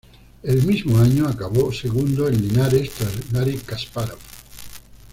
El mismo año acabó segundo en Linares tras Gari Kaspárov.